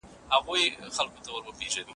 بهرنۍ پالیسي د ولسونو ترمنځ اړیکي جوړوي.